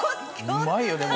◆うまいよ、でも。